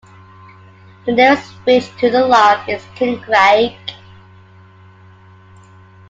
The nearest village to the loch is Kincraig.